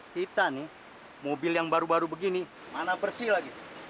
kita nih mobil yang baru baru begini mana bersih lagi